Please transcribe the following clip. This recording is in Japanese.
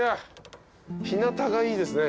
日なたがいいですね。